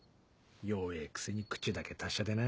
弱えぇくせに口だけ達者でな。